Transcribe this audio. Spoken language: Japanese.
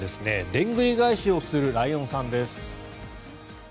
でんぐり返しをするライオンさんです。